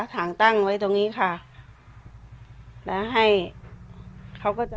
ถังตั้งไว้ตรงนี้ค่ะแล้วให้เขาก็จะ